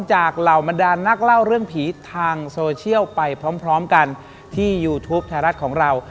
เหล่าบรรดานนักเล่าเรื่องผีทางโซเชียลไปพร้อมกันที่ยูทูปไทยรัฐของเรา